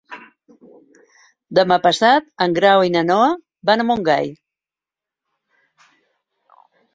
Demà passat en Grau i na Noa van a Montgai.